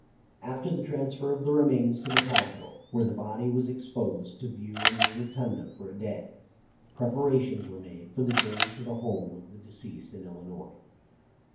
After the transfer of the remains to the Capitol, where the body was ex posed to view in the Rotunda for a day, preparations were made for the journey to the home of the de ceased in Illinois.